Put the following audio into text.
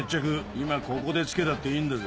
今ここでつけたっていいんだぜ。